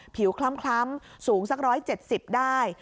คล้ำสูงสัก๑๗๐ได้